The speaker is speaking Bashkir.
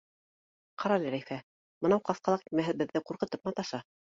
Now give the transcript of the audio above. — Ҡарале, Рәйфә, бынау ҡасҡалаҡ етмәһә беҙҙе ҡурҡытып маташа.